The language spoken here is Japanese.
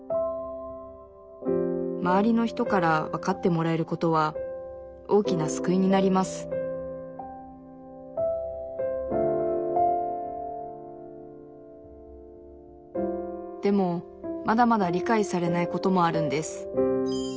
周りの人からわかってもらえることは大きな救いになりますでもまだまだ理解されないこともあるんです。